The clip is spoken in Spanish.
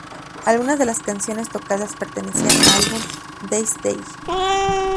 Algunas de las canciones tocadas pertenecían a album "These Days".